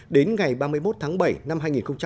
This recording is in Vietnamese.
đến ngày ba mươi một tháng bảy năm hai nghìn một mươi tám